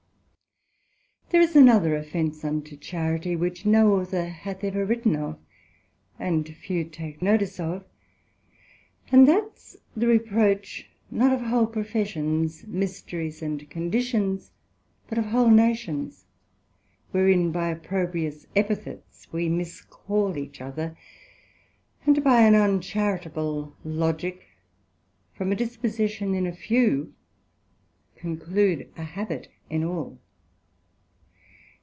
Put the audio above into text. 4 There is another offence unto Charity, which no Author hath ever written of, and few take notice of; and that's the reproach, not of whole professions, mysteries and conditions, but of whole Nations; wherein by opprobrious Epithets we miscal each other, and by an uncharitable Logick, from a disposition in a few, conclude a habit in all.